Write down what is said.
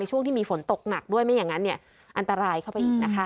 ช่วงที่มีฝนตกหนักด้วยไม่อย่างนั้นอันตรายเข้าไปอีกนะคะ